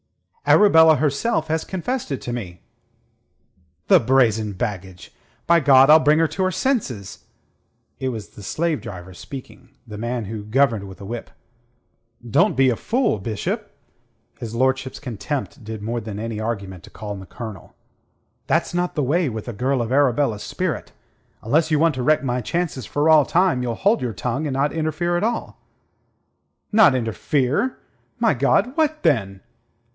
"Arabella herself has confessed it to me." "The brazen baggage! By God, I'll bring her to her senses." It was the slave driver speaking, the man who governed with a whip. "Don't be a fool, Bishop." His lordship's contempt did more than any argument to calm the Colonel. "That's not the way with a girl of Arabella's spirit. Unless you want to wreck my chances for all time, you'll hold your tongue, and not interfere at all." "Not interfere? My God, what, then?"